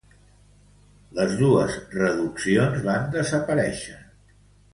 Les dos reduccions van desaparéixer.